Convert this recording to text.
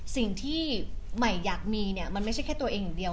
สิ่งที่ใหม่อยากมีเนี่ยมันไม่ใช่แค่ตัวเองอย่างเดียว